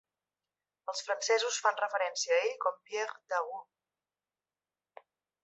Els francesos fan referència a ell com Pierre Daru.